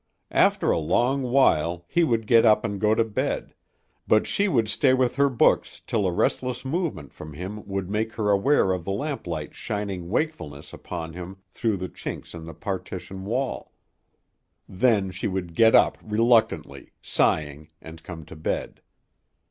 After a long while, he would get up and go to bed, but she would stay with her books till a restless movement from him would make her aware of the lamplight shining wakefulness upon him through the chinks in the partition wall. Then she would get up reluctantly, sighing, and come to bed.